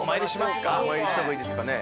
お参りした方がいいですかね。